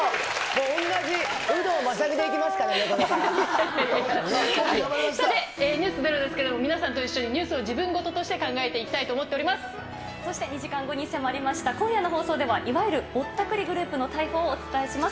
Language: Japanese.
レベル一緒、レベル一緒、さて、ｎｅｗｓｚｅｒｏですけれども、皆さんと一緒にニュースを自分事として考えていきたそして２時間後に迫りました今夜の放送では、いわゆるぼったくりグループの逮捕をお伝えします。